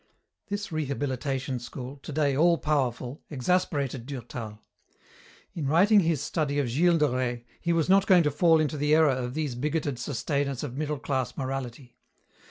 This rehabilitation school, today all powerful, exasperated Durtal. In writing his study of Gilles de Rais he was not going to fall into the error of these bigoted sustainers of middle class morality.